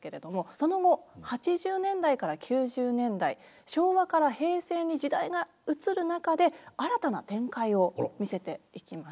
その後８０年代から９０年代昭和から平成に時代が移る中で新たな展開を見せていきます。